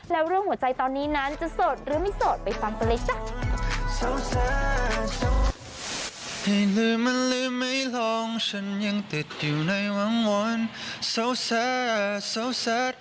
แล้วเรื่องหัวใจตอนนี้นั้นจะโสดหรือไม่โสดไปฟังกันเลยจ้ะ